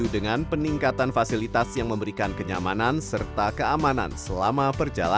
dengan peningkatan fasilitas yang memberikan kenyamanan serta keamanan selama perjalanan